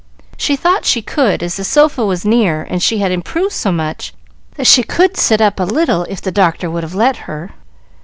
She thought she could, as the sofa was near and she had improved so much that she could sit up a little if the doctor would have let her.